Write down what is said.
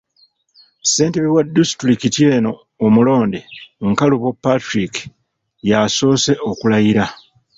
Ssentebe wa disitulikiti eno omulonde, Nkalubo Patrick, y'asoose okulayira.